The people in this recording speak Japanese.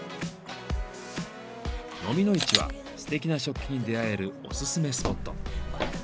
のみの市はすてな食器に出会えるオススメスポット。